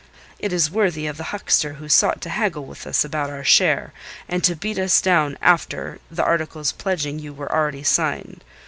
It is worthy of the huckster who sought to haggle with us about our share, and to beat us down after the articles pledging you were already signed.